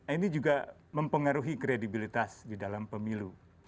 ini juga mempengaruhi kredibilitas di dalam pemilu